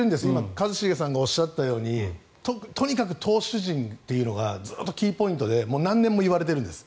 一茂さんがおっしゃったようにとにかく投手陣というのがずっとキーポイントで何年も言われているんです。